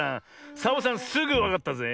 サボさんすぐわかったぜ。